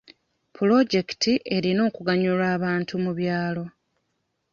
Pulojekiti erina okuganyula abantu mu byalo.